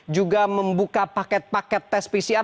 juga membuka paket paket tes pcr